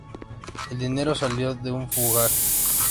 El dinero salió de un fogaje.